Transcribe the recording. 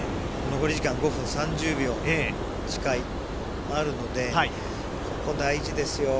残り時間、５分３０秒近くあるのでここは大事ですよ。